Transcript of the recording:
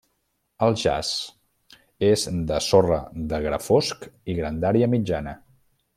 El jaç és de sorra de gra fosc i grandària mitjana.